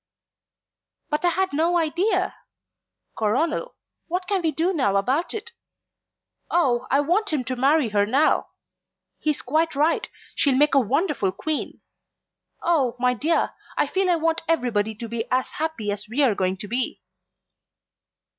"But I had no idea! Coronel, what can we do now about it? Oh, I want him to marry her now. He's quite right she'll make a wonderful Queen. Oh, my dear, I feel I want everybody to be as happy as we're going to be."